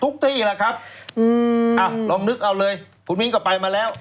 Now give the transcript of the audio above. ทุกที่ล่ะครับอ่าลองนึกเอาเลยคุณวิทย์ก็ไปมาแล้ว